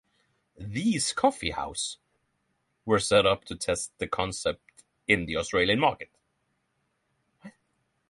These coffee house were set up to test the concept in the Australian market.